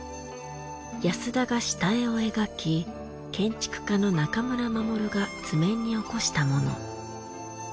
安田が下絵を描き建築家の中村鎮が図面に起こしたもの。